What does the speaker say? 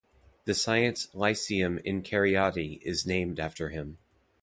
The Science Lyceum in Cariati is named after him.